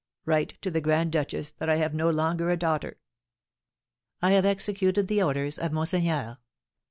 Write to the grand duchess that I have no longer a daughter!" I have executed the orders of monseigneur.